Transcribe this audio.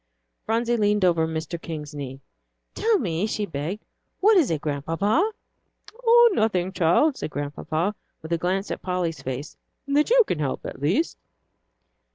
Phronsie leaned over Mr. King's knee. "Tell me," she begged, "what is it, Grandpapa?" "Oh, nothing, child," said Grandpapa, with a glance at Polly's face, "that you can help, at least."